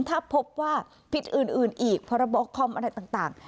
ถ้าพบว่าผิดอื่นอีกพรบคอมอะไรต่าง